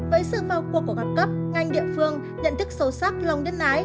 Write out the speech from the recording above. với sự bao cuộc của gặp cấp ngành địa phương nhận thức sâu sắc lòng đất ái